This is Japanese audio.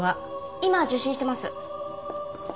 今受信してます。